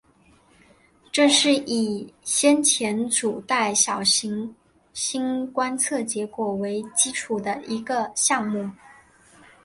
这是以先前主带小行星观测结果为基础的一个项目。